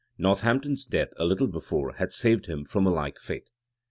Northampton's death, a little before, had saved him from a like fate.